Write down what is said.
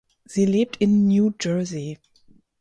Sie lebt in New Jersey.